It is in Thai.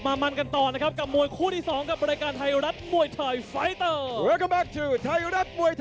มามันกันต่อนะครับกับมวยคู่ที่๒กับรายการไทยรัฐมวยไทยไฟเตอร์